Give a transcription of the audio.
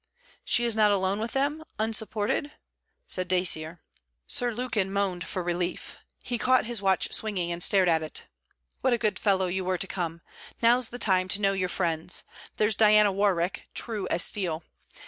'She is not alone with them, unsupported?' said Dacier. Sir Lukin moaned for relief. He caught his watch swinging and stared at it. 'What a good fellow you were to come! Now 's the time to know your friends. There's Diana Warwick, true as steel.